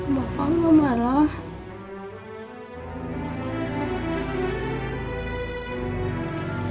bapak gak marah